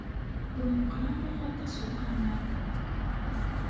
Ur meqqeṛ ara aṭas uxxam-a.